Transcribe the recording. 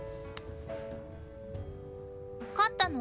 買ったの？